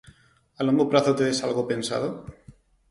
A longo prazo tedes algo pensado?